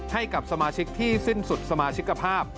ให้กับสมาชิกที่สิ้นสุดสมาชิกภาพ